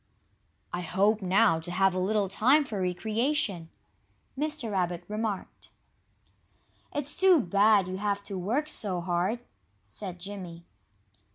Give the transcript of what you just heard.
"I hope, now, to have a little time for recreation," Mr. Rabbit remarked. "It's too bad you have to work so hard," said Jimmy.